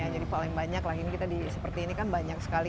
jadi paling banyak lah ini kita seperti ini kan banyak sekarang